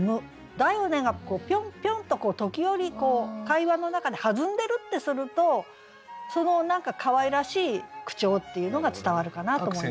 「だよね」がピョンピョンと時折こう会話の中で弾んでるってするとその何か可愛らしい口調っていうのが伝わるかなと思いますね。